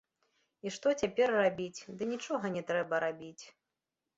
І што цяпер рабіць, ды нічога не трэба рабіць.